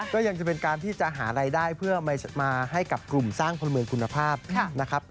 จะเป็นการที่จะหารายได้เพื่อมาให้กับกลุ่มสร้างพลเมืองคุณภาพนะครับ